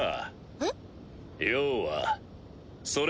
えっ？